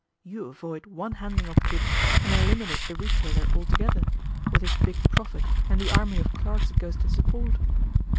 You avoid one handling of the goods, and eliminate the retailer altogether, with his big profit and the army of clerks it goes to support.